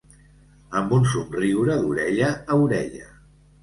Amb un somriure d'orella a orella.